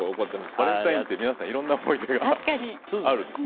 バレンタインって皆さんいろいろな思い出があるんですね。